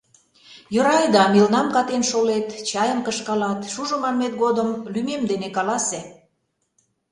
Йӧра айда, мелнам катен шолет, чайым кышкалат — шужо манмет годым лӱмем дене каласе.